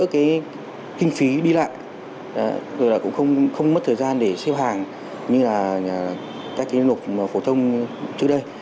kinh phí đi lại rồi cũng không mất thời gian để xếp hàng như các điện thoại phổ thông trước đây